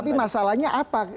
tapi masalahnya apa